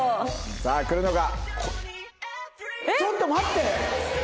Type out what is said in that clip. さあ来るのか？